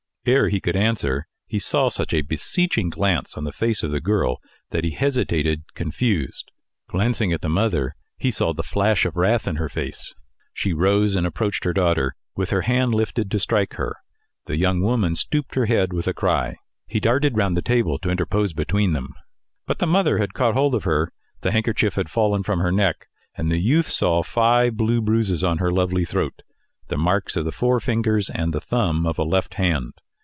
Ere he could answer, he saw such a beseeching glance on the face of the girl, that he hesitated, confused. Glancing at the mother, he saw the flash of wrath in her face. She rose and approached her daughter, with her hand lifted to strike her. The young woman stooped her head with a cry. He darted round the table to interpose between them. But the mother had caught hold of her; the handkerchief had fallen from her neck; and the youth saw five blue bruises on her lovely throat the marks of the four fingers and the thumb of a left hand.